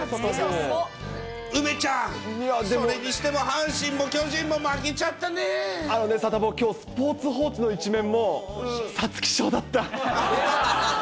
梅ちゃん、それにしても、あのね、サタボー、きょうスポーツ報知の１面も皐月賞だった。